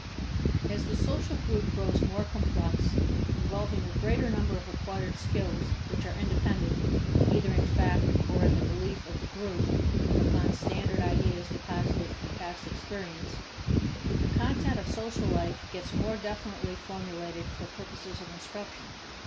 As the social group grows more complex, involving a greater number of acquired skills which are dependent, either in fact or in the belief of the group, upon standard ideas deposited from past experience, the content of social life gets more definitely formulated for purposes of instruction.